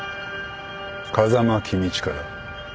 風間公親だ。